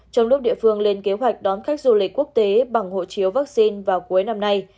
trong lúc địa phương lên kế hoạch đón khách du lịch quốc tế bằng hộ chiếu vaccine vào cuối năm nay